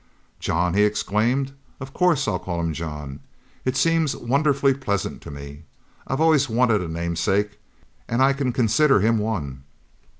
"'John,'" he exclaimed; "of course I'll call him 'John.' It seems wonderfully pleasant to me. I've always wanted a namesake, and I can consider him one."